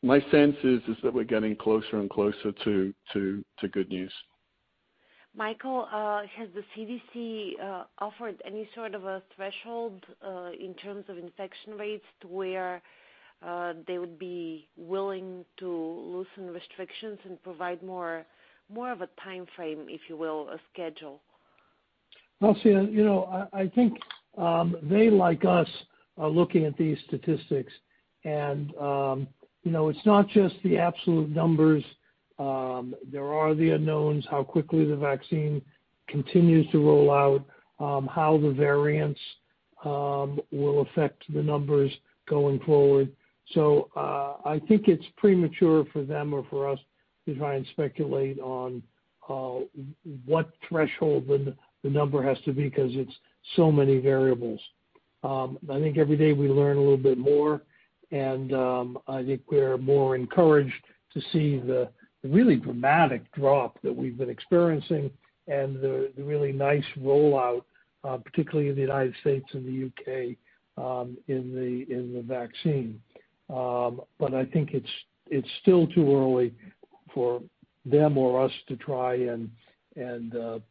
Speaker 8: My sense is that we're getting closer and closer to good news.
Speaker 12: Michael, has the CDC offered any sort of a threshold in terms of infection rates to where they would be willing to loosen restrictions and provide more of a timeframe, if you will, a schedule?
Speaker 3: Well, see, I think they, like us, are looking at these statistics. It's not just the absolute numbers. There are the unknowns, how quickly the vaccine continues to roll out, how the variants will affect the numbers going forward. I think it's premature for them or for us to try and speculate on what threshold the number has to be, because it's so many variables. I think every day we learn a little bit more, and I think we're more encouraged to see the really dramatic drop that we've been experiencing and the really nice rollout, particularly in the U.S. and the U.K., in the vaccine. I think it's still too early for them or us to try and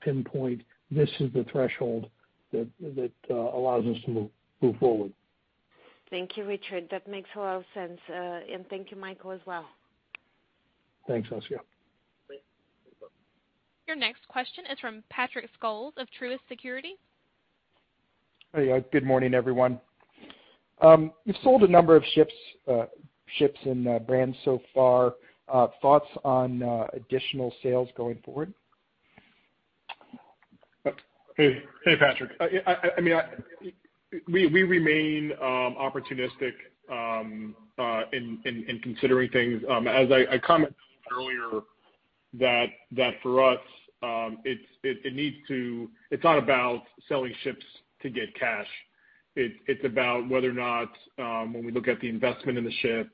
Speaker 3: pinpoint this is the threshold that allows us to move forward.
Speaker 12: Thank you, Richard. That makes a lot of sense. Thank you, Michael, as well.
Speaker 3: Thanks, Assia.
Speaker 1: Your next question is from Patrick Scholes of Truist Securities.
Speaker 13: Hey. Good morning, everyone. You've sold a number of ships and brands so far. Thoughts on additional sales going forward?
Speaker 2: Hey, Patrick. We remain opportunistic in considering things. As I commented earlier, that for us, it's not about selling ships to get cash. It's about whether or not when we look at the investment in the ship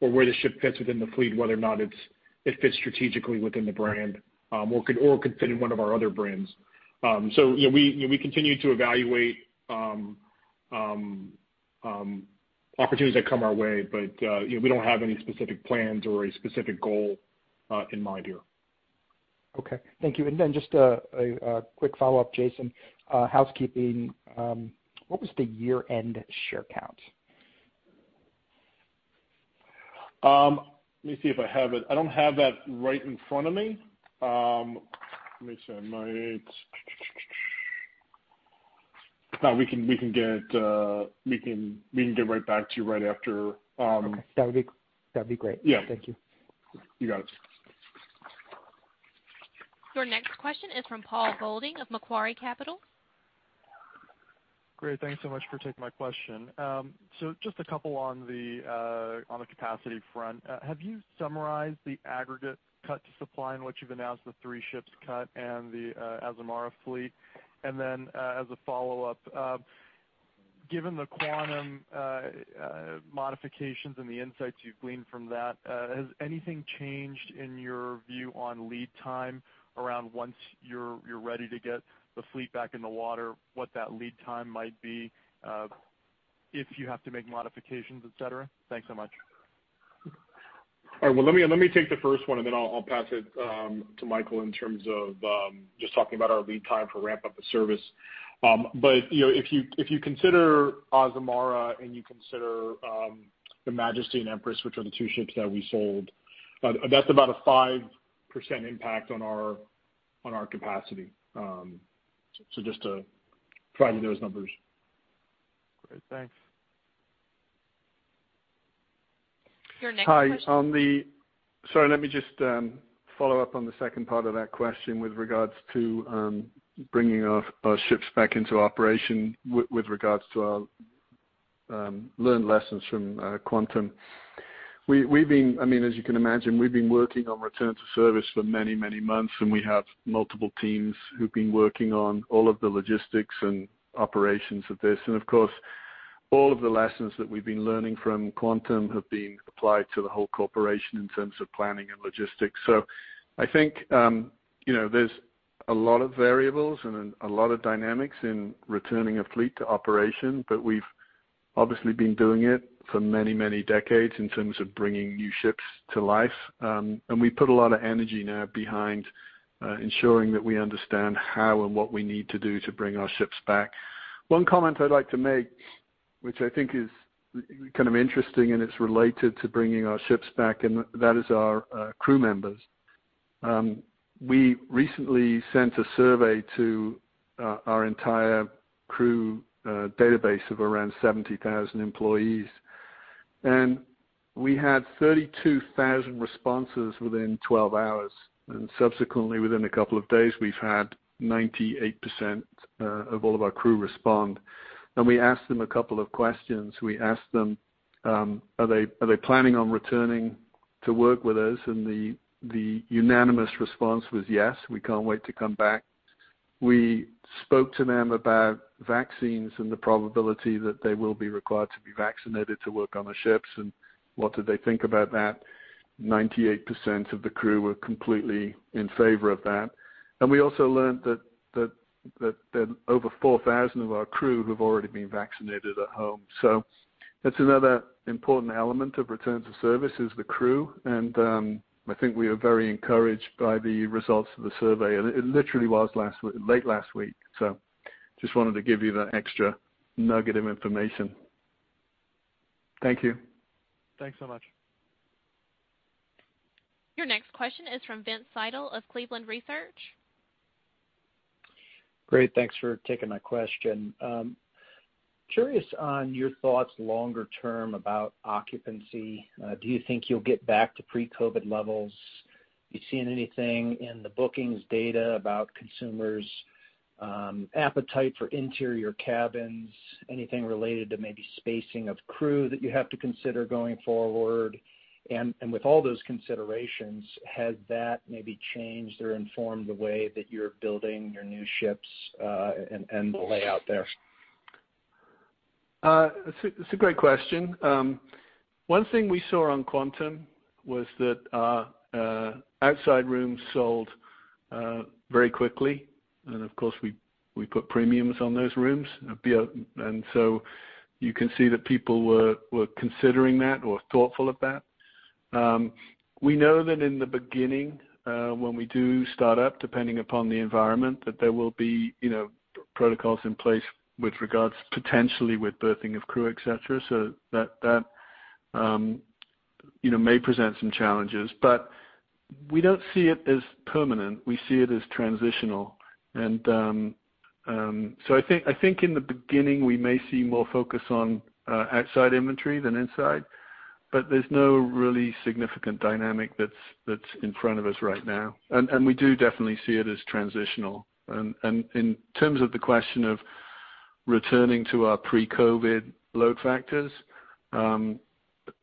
Speaker 2: or where the ship fits within the fleet, whether or not it fits strategically within the brand, or could fit in one of our other brands. We continue to evaluate opportunities that come our way, but we don't have any specific plans or a specific goal in mind here.
Speaker 13: Okay. Thank you. Just a quick follow-up, Jason. Housekeeping, what was the year-end share count?
Speaker 2: Let me see if I have it. I don't have that right in front of me. Let me see. We can get right back to you right after.
Speaker 13: Okay. That'd be great.
Speaker 2: Yeah.
Speaker 13: Thank you.
Speaker 2: You got it.
Speaker 1: Your next question is from Paul Golding of Macquarie Capital.
Speaker 14: Great. Thanks so much for taking my question. Just a couple on the capacity front. Have you summarized the aggregate cut to supply in which you've announced the three ships cut and the Azamara fleet? As a follow-up, given the Quantum modifications and the insights you've gleaned from that, has anything changed in your view on lead time around once you're ready to get the fleet back in the water, what that lead time might be if you have to make modifications, et cetera? Thanks so much.
Speaker 2: All right. Well, let me take the first one, and then I'll pass it to Michael in terms of just talking about our lead time for ramp-up of service. If you consider Azamara and you consider the Majesty and Empress, which are the two ships that we sold, that's about a 5% impact on our capacity. Just to try to do those numbers.
Speaker 14: Great. Thanks.
Speaker 1: Your next question.
Speaker 8: Hi. Sorry, let me just follow up on the second part of that question with regards to bringing our ships back into operation with regards to our learned lessons from Quantum. As you can imagine, we've been working on return to service for many, many months, and we have multiple teams who've been working on all of the logistics and operations of this. Of course, all of the lessons that we've been learning from Quantum have been applied to the whole corporation in terms of planning and logistics. I think there's a lot of variables and a lot of dynamics in returning a fleet to operation. We've obviously been doing it for many, many decades in terms of bringing new ships to life. We put a lot of energy now behind ensuring that we understand how and what we need to do to bring our ships back. One comment I'd like to make, which I think is kind of interesting, and it's related to bringing our ships back, and that is our crew members. We recently sent a survey to our entire crew database of around 70,000 employees, and we had 32,000 responses within 12 hours. Subsequently, within a couple of days, we've had 98% of all of our crew respond. We asked them a couple of questions. We asked them, are they planning on returning to work with us? The unanimous response was, yes, we can't wait to come back. We spoke to them about vaccines and the probability that they will be required to be vaccinated to work on the ships, and what did they think about that? 98% of the crew were completely in favor of that. We also learned that over 4,000 of our crew have already been vaccinated at home. That's another important element of return to service is the crew, and I think we are very encouraged by the results of the survey. It literally was late last week, so just wanted to give you that extra nugget of information. Thank you.
Speaker 14: Thanks so much.
Speaker 1: Your next question is from Vince Ciepiel of Cleveland Research.
Speaker 15: Great. Thanks for taking my question. Curious on your thoughts longer term about occupancy. Do you think you'll get back to pre-COVID levels? You seen anything in the bookings data about consumers' appetite for interior cabins, anything related to maybe spacing of crew that you have to consider going forward? With all those considerations, has that maybe changed or informed the way that you're building your new ships, and the layout there?
Speaker 8: It's a great question. One thing we saw on Quantum was that outside rooms sold very quickly, and of course, we put premiums on those rooms. You can see that people were considering that or thoughtful of that. We know that in the beginning, when we do start up, depending upon the environment, that there will be protocols in place with regards potentially with berthing of crew, et cetera, so that may present some challenges. We don't see it as permanent. We see it as transitional. I think in the beginning, we may see more focus on outside inventory than inside, but there's no really significant dynamic that's in front of us right now. We do definitely see it as transitional. In terms of the question of returning to our pre-COVID load factors,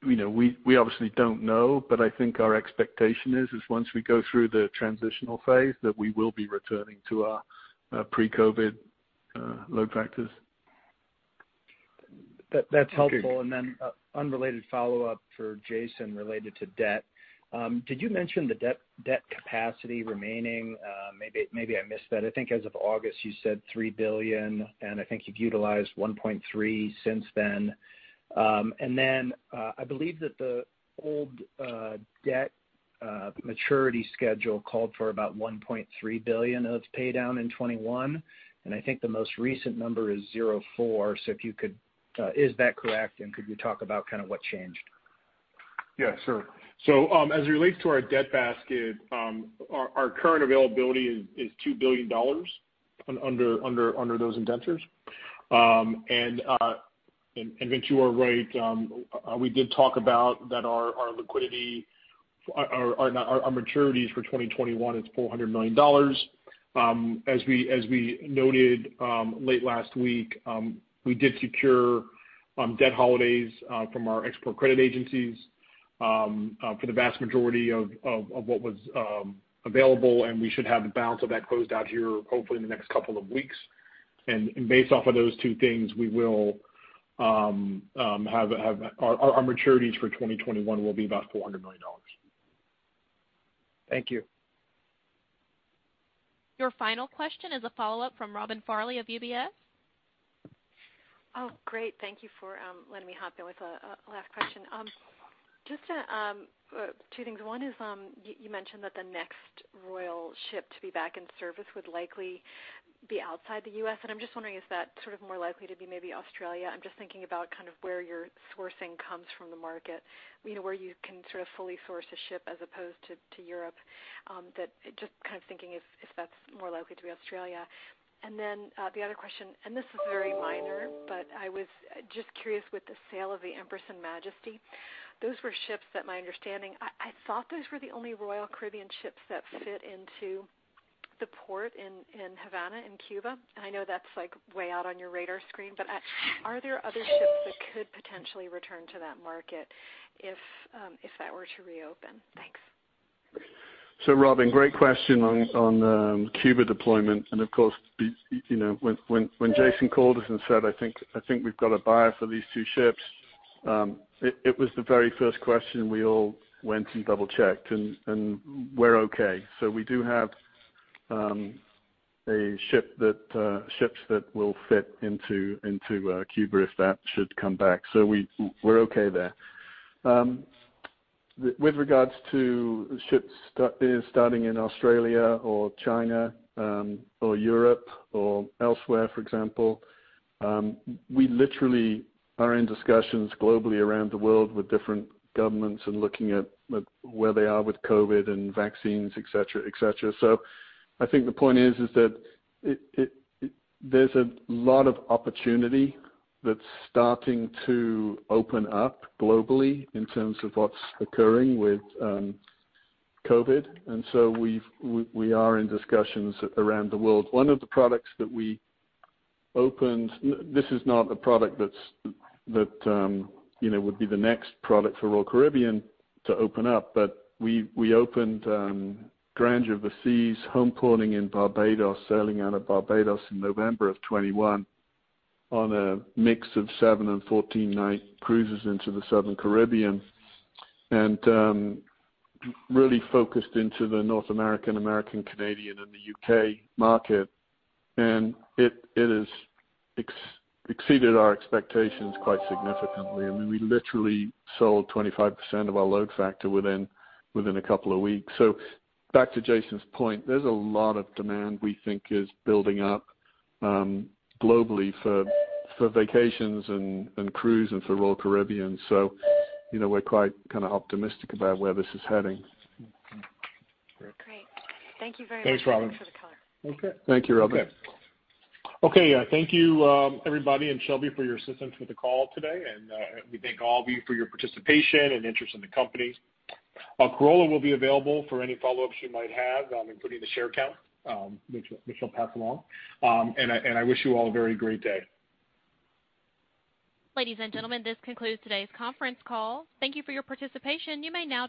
Speaker 8: we obviously don't know, but I think our expectation is once we go through the transitional phase, that we will be returning to our pre-COVID load factors.
Speaker 15: That's helpful. Unrelated follow-up for Jason related to debt. Did you mention the debt capacity remaining? Maybe I missed that. I think as of August you said $3 billion, and I think you've utilized 1.3 since then. I believe that the old debt maturity schedule called for about $1.3 billion of paydown in 2021, and I think the most recent number is 0.4. Is that correct? Could you talk about what changed?
Speaker 2: Yeah, sure. As it relates to our debt basket, our current availability is $2 billion under those indentures. Vince, you are right. We did talk about that our maturities for 2021 is $400 million. As we noted late last week, we did secure debt holidays from our export credit agencies for the vast majority of what was available, and we should have the balance of that closed out here hopefully in the next couple of weeks. Based off of those two things, our maturities for 2021 will be about $400 million.
Speaker 15: Thank you.
Speaker 1: Your final question is a follow-up from Robin Farley of UBS.
Speaker 4: Oh, great. Thank you for letting me hop in with a last question. Just two things. One is, you mentioned that the next Royal ship to be back in service would likely be outside the U.S., and I'm just wondering, is that more likely to be maybe Australia? I'm just thinking about where your sourcing comes from the market, where you can fully source a ship as opposed to Europe. Just thinking if that's more likely to be Australia. the other question, and this is very minor, but I was just curious with the sale of the Empress and Majesty. Those were ships that, my understanding, I thought those were the only Royal Caribbean ships that fit into the port in Havana, in Cuba. I know that's way out on your radar screen, but are there other ships that could potentially return to that market if that were to reopen? Thanks.
Speaker 8: Robin, great question on Cuba deployment, and of course, when Jason called us and said, "I think we've got a buyer for these two ships," it was the very first question we all went and double-checked. We're okay. We do have ships that will fit into Cuba if that should come back. We're okay there. With regards to ships starting in Australia or China or Europe or elsewhere, for example, we literally are in discussions globally around the world with different governments and looking at where they are with COVID and vaccines, et cetera. I think the point is that there's a lot of opportunity that's starting to open up globally in terms of what's occurring with COVID, and so we are in discussions around the world. One of the products that we opened, this is not a product that would be the next product for Royal Caribbean to open up. We opened Grandeur of the Seas, home porting in Barbados, sailing out of Barbados in November of 2021 on a mix of seven and 14-night cruises into the Southern Caribbean, and really focused into the North American, Canadian, and the U.K. market. It has exceeded our expectations quite significantly. We literally sold 25% of our load factor within a couple of weeks. Back to Jason's point, there's a lot of demand we think is building up globally for vacations and cruise and for Royal Caribbean. We're quite optimistic about where this is heading.
Speaker 4: Great. Thank you very much,
Speaker 2: Thanks, Robin.
Speaker 4: Thanks for the color.
Speaker 8: Okay. Thank you, Robin.
Speaker 2: Okay. Okay, thank you everybody, and Shelby for your assistance with the call today, and we thank all of you for your participation and interest in the company. Carola will be available for any follow-ups you might have, including the share count, which she'll pass along. I wish you all a very great day.
Speaker 1: Ladies and gentlemen, this concludes today's conference call. Thank you for your participation. You may now